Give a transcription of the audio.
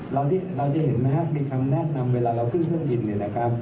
เราจะเห็นมีคำแนะนำเวลาเราขึ้นเครื่องบิน